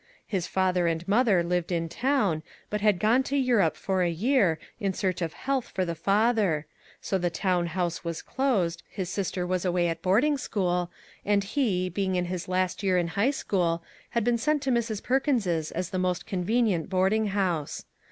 His father and mother lived in town, but had gone to Europe for a year, in search of health for the father; so the town house was closed, his sister was away at boarding school, and he, being in his last year in High School, had been sent to Mrs. Perkins's as the most convenient boarding house.